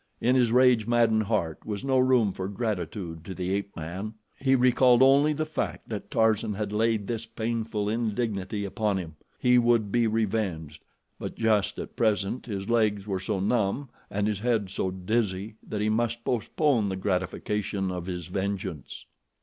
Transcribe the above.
In his rage maddened heart was no room for gratitude to the ape man. He recalled only the fact that Tarzan had laid this painful indignity upon him. He would be revenged, but just at present his legs were so numb and his head so dizzy that he must postpone the gratification of his vengeance.